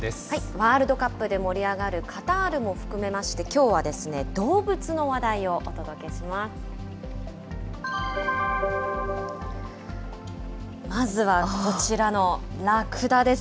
ワールドカップで盛り上がるカタールも含めまして、きょうは動物の話題をお届けします。